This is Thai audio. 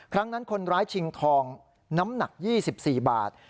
ครั้งนั้นคนร้ายชิงทองน้ำหนัก๒๔บาท